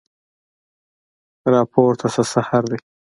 راپورته شه سحر دی